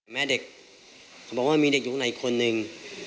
แม่เด็กเขาบอกว่ามีเด็กอยู่ข้างในคนหนึ่ง